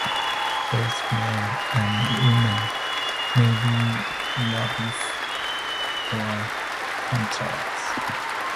Both men and women may be rabbis or cantors.